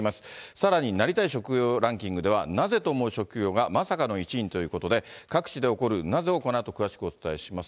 さらになりたい職業ランキングでは、ナゼと思う職業がまさかの１位にということで、各地で起こるナゼをこのあと詳しくお伝えします。